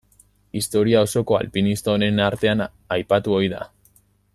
Historia osoko alpinista onenen artean aipatu ohi da.